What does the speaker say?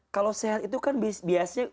kalau sehat itu kan biasanya